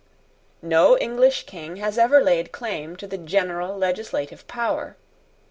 No English King has ever laid claim to the general legislative power.